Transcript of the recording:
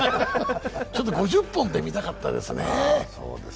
ちょっと５０本って見たかったですね。